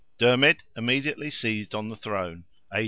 DERMID immediately seized on the throne (A.